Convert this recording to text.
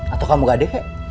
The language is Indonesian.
atau kamu gak deh